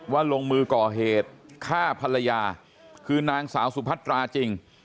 ลงมือก่อเหตุฆ่าภรรยาคือนางสาวสุพัตราจริง